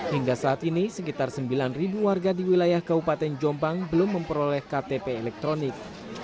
hingga saat ini sekitar sembilan warga di wilayah kabupaten jombang belum memperoleh ktp elektronik